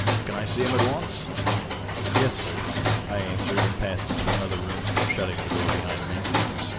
Can I see him at once?^^ ^^ YeSj sir/^ I answered^ and passed into another room^ shutting the door behind me.